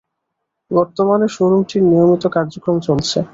বর্তমানে শোরুমটির নিয়মিত কার্যক্রম চলছে।